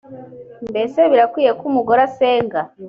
mbese birakwiriye ko umugore asenga